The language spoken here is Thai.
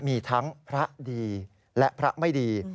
มีทั้งพระดีและพระไม่ดี